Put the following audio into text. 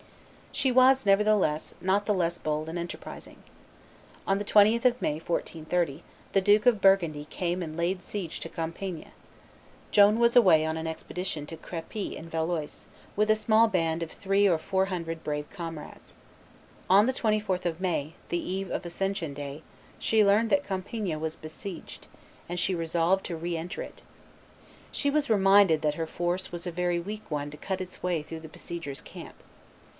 She was, nevertheless, not the less bold and enterprising. On the 20th of May, 1430, the Duke of Burgundy came and laid siege to Compiegne. Joan was away on an expedition to Crepy in Valois, with a small band of three or four hundred brave comrades. On the 24th of May, the eve of Ascension day, she learned that Compiegne was being besieged, and she resolved to re enter it. She was reminded that her force was a very weak one to cut its way through the besiegers' camp.